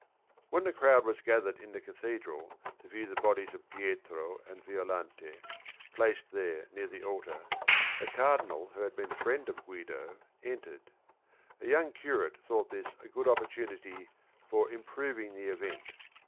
When the crowd was gathered in the cathedral to view the bodies of Pietro and Violante, placed there near the altar, a Cardinal who had been a friend of Guido entered. A young curate thought this a good opportunity for "improving the event."